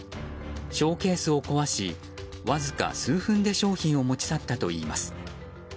ショーケースを壊しわずか数分で商品を持ち去ったといいます。